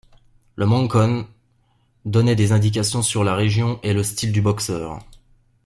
Le Mongkon donnait des indications sur la région et le style du boxeur.